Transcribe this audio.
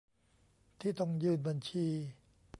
ที่ต้องยื่นบัญชี